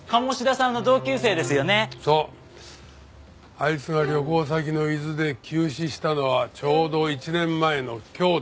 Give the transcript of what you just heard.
あいつが旅行先の伊豆で急死したのはちょうど１年前の今日だ。